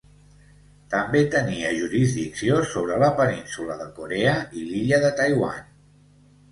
També tenia jurisdicció sobre la península de Corea i l'illa de Taiwan.